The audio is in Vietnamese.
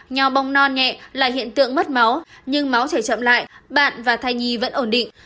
nhau bong non nhẹ là hiện tượng mất máu nhưng máu trải chậm lại bạn và thai nhi vẫn ổn định